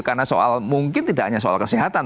karena soal mungkin tidak hanya soal kesehatan